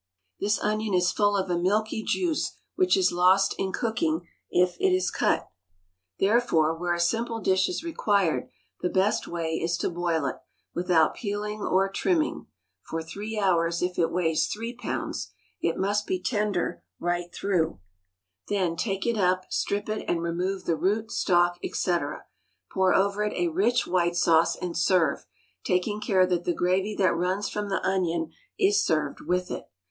This onion is full of a milky juice, which is lost in cooking if it is cut. Therefore, where a simple dish is required, the best way is to boil it, without peeling or trimming, for three hours if it weighs three pounds (it must be tender right through); then take it up, strip it, and remove the root, stalk, etc. Pour over it a rich white sauce, and serve, taking care that the gravy that runs from the onion is served with it.